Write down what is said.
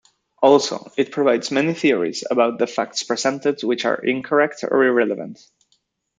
Also, it provides many theories about the facts presented which are incorrect or irrelevant.